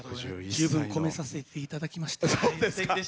十分込めさせていただきました。